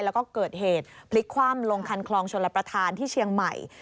แล้วก็เกิดเหตุพลิกคว่ำลงคันคลองชลประธานที่เชียงใหม่